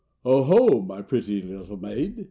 ''" 0 ho ! my pretty little maid.